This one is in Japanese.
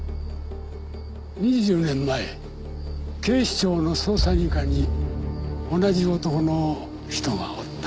２０年前警視庁の捜査２課に同じ男の人がおった。